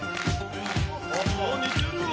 あぁ似てるわ。